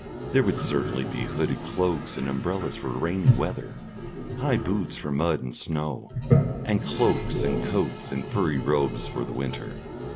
There would certainly be hooded cloaks and umbrellas for rainy weather, high boots for mud and snow, and cloaks and coats and furry robes for the winter.